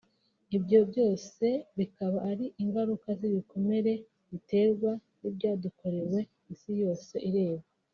Ibyo byose bikaba ari ingaruka z’ibikomere biterwa n’ibyadukorewe isi yose irebera